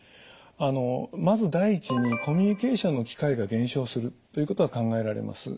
まず第一にコミュニケーションの機会が減少するということが考えられます。